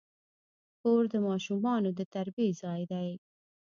کور د ماشومانو د تربیې ځای دی.